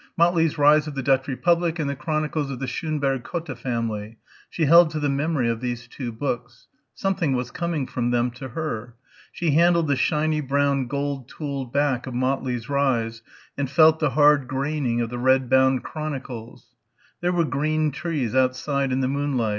Motley's Rise of the Dutch Republic and the Chronicles of the Schönberg Cotta family. She held to the memory of these two books. Something was coming from them to her. She handled the shiny brown gold tooled back of Motley's Rise and felt the hard graining of the red bound Chronicles.... There were green trees outside in the moonlight